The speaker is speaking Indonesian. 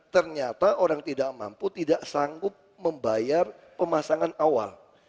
ternyata orang tidak mampu tidak sanggup membayar pemasangan awal